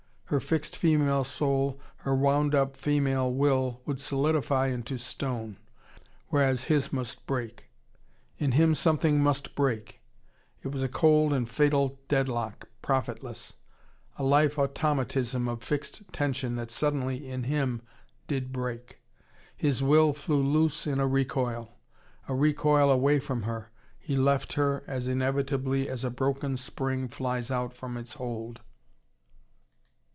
Her fixed female soul, her wound up female will would solidify into stone whereas his must break. In him something must break. It was a cold and fatal deadlock, profitless. A life automatism of fixed tension that suddenly, in him, did break. His will flew loose in a recoil: a recoil away from her. He left her, as inevitably as a broken spring flies out from its hold.